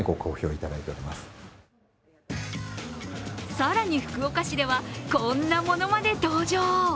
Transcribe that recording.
更に福岡市では、こんなものまで登場。